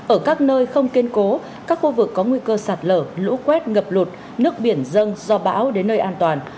ở các nơi không kiên cố các khu vực có nguy cơ sạt lở lũ quét ngập lụt nước biển dâng do bão đến nơi an toàn